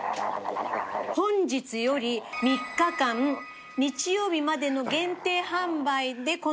本日より３日間日曜日までの限定販売でこのお値段です。